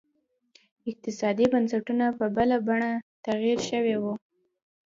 اقتصادي بنسټونه په بله بڼه تغیر شوي وو.